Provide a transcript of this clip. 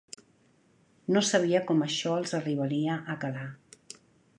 No sabia com això els arribaria a calar.